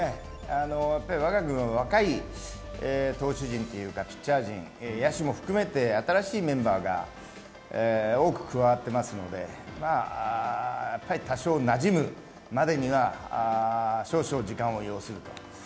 我が軍は若いピッチャー陣、野手も含めて新しいメンバーが多く加わっていますので多少なじむまでには少々時間を要すると。